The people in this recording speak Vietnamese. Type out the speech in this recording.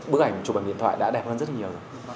bức ảnh chụp ảnh điện thoại đã đẹp hơn rất là nhiều